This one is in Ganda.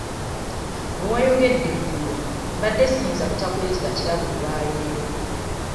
Bwe wayogedde eggulo mbadde siyinza butakuleetera kirabo olwaleero.